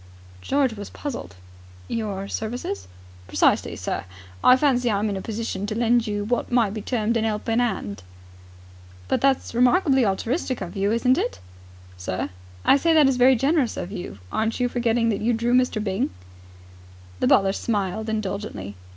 George was puzzled. "Your services?" "Precisely, sir. I fancy I am in a position to lend you what might be termed an 'elping 'and." "But that's remarkably altruistic of you, isn't it?" "Sir?" "I say that is very generous of you. Aren't you forgetting that you drew Mr. Byng?" The butler smiled indulgently.